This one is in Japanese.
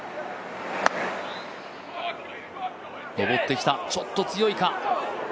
上ってきた、ちょっと強いか。